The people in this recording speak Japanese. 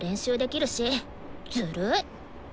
ずるい！